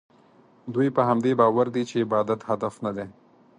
دوی په همدې باور دي چې عبادت هدف نه دی.